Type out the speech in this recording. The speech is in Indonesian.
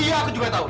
iya aku juga tahu